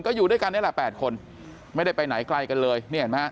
ก็อยู่ด้วยกันนี่แหละ๘คนไม่ได้ไปไหนไกลกันเลยนี่เห็นไหมฮะ